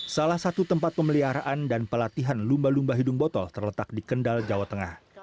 salah satu tempat pemeliharaan dan pelatihan lumba lumba hidung botol terletak di kendal jawa tengah